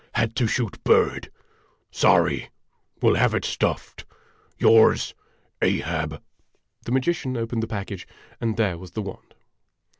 Had to shoot bird. Sorry. Will have it stuffed. Yours, AHAB The magician opened the package, and there was the wand.